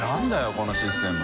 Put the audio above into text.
このシステム。